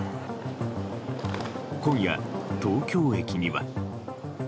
今夜、東京駅には。